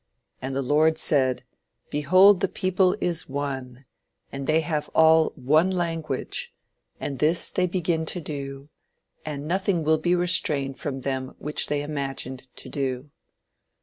And the Lord said, Behold the people is one, and they have all one language: and this they begin to do; and nothing will be restrained from them which they imagined to do.